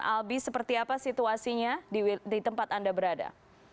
albi seperti apa situasinya di tempat anda berada